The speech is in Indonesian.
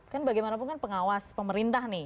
kan bagaimanapun kan pengawas pemerintah nih